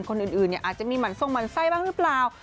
คนอื่นอาจจะมีหั่นทรงหมั่นไส้บ้างหรือเปล่า